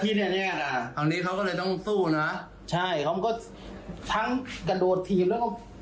แน่แน่คราวนี้เขาก็เลยต้องสู้นะใช่เขาก็ทั้งกระโดดถีบแล้วก็